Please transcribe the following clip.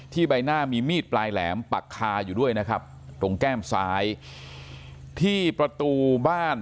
ใบหน้ามีมีดปลายแหลมปักคาอยู่ด้วยนะครับตรงแก้มซ้ายที่ประตูบ้าน